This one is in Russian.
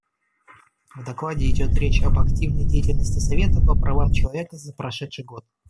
В докладе идет речь об активной деятельности Совета по правам человека за прошедший год.